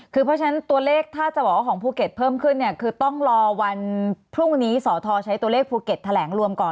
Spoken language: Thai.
คือเพราะฉะนั้นตัวเลขถ้าจะบอกว่าของภูเก็ตเพิ่มขึ้นเนี่ยคือต้องรอวันพรุ่งนี้สอทอใช้ตัวเลขภูเก็ตแถลงรวมก่อน